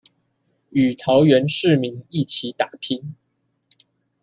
與桃園市民一起打拼